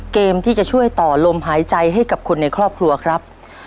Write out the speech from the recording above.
เกมที่จะช่วยต่อลมหายใจให้กับคนในครอบครัวครับ